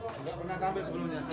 nggak pernah tampil sebelumnya